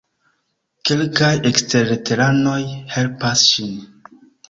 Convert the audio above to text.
Kelkaj eksterteranoj helpas ŝin.